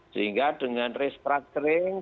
sehingga dengan restructuring